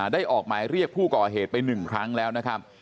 ออกหมายเรียกผู้ก่อเหตุไป๑ครั้งแล้วนะครับ